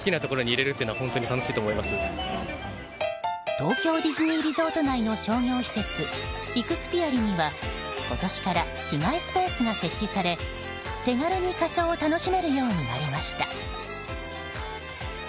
東京ディズニーリゾート内の商業施設イクスピアリには今年から着替えスペースが設置され手軽に仮装を楽しめるようになりました。